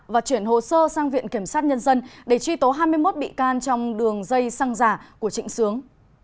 và chuyển hồ sơ sang viện kiểm sát nhân dân để truy tố hai mươi một bị can trong đường dây xăng giả của trịnh sướng